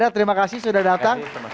terima kasih sudah datang